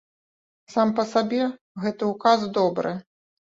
Сам па сабе гэты ўказ добры.